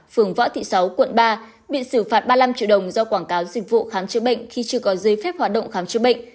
phường võ thị sáu quận ba bị xử phạt ba mươi năm triệu đồng do quảng cáo dịch vụ khám chữa bệnh khi chưa có giấy phép hoạt động khám chữa bệnh